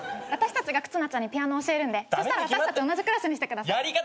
私たちが忽那ちゃんにピアノ教えるんでそしたら私たち同じクラスにしてください。